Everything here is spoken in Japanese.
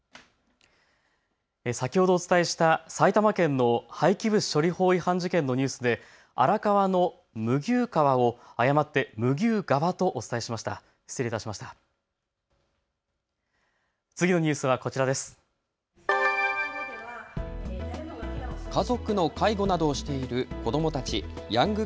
先ほどお伝えした埼玉県の廃棄物処理法違反事件のニュースで荒川の麦生川を誤ってむぎゅうがわとお伝えしました。